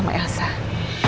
pengen tanya elsa aja tante